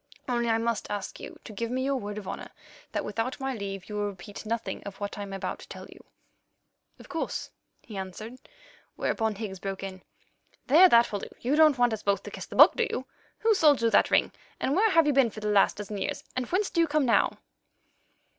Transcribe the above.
Only I must ask you to give me your word of honour that without my leave you will repeat nothing of what I am about to tell you." "Of course," he answered, whereon Higgs broke in: "There, that will do; you don't want us both to kiss the Book, do you? Who sold you that ring, and where have you been for the last dozen years, and whence do you come now?"